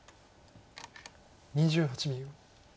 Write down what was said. ２８秒。